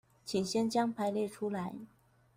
請先將排列出來